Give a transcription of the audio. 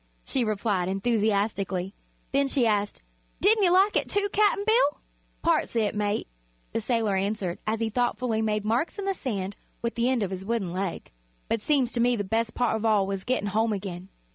she replied, enthusiastically. Then she asked: "Didn't you like it, too, Cap'n Bill?" "Parts o' it, mate," the sailor answered, as he thoughtfully made marks in the sand with the end of his wooden leg; "but seems to me the bes' part of all was gett'n' home again."